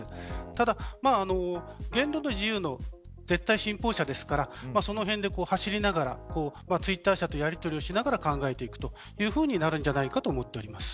ただ、言論の自由の絶対信奉者ですからそのへんで、走りながらツイッター社とやりとりをしながら考えていくというふうになるんじゃないかと思います。